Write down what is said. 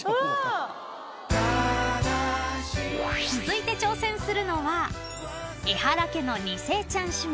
［続いて挑戦するのはエハラ家の２世ちゃん姉妹］